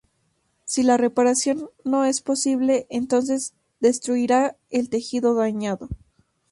Si la reparación no es posible, entonces destruirá el tejido dañado.